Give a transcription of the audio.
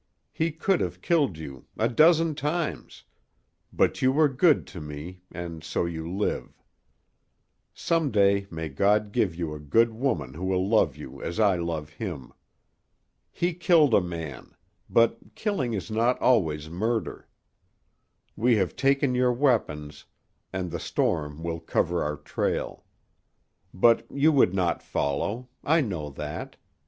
He could have killed you a dozen times, but you were good to me, and so you live. Some day may God give you a good woman who will love you as I love him. He killed a man, but killing is not always murder. We have taken your weapons, and the storm will cover our trail. But you would not follow. I know that.